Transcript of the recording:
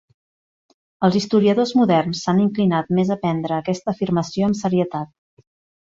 Els historiadors moderns s'han inclinat més a prendre aquesta afirmació amb serietat.